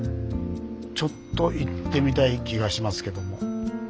ちょっと行ってみたい気がしますけども。